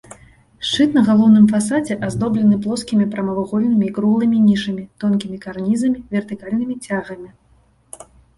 Шчыт на галоўным фасадзе аздоблены плоскімі прамавугольнымі і круглымі нішамі, тонкімі карнізамі, вертыкальнымі цягамі.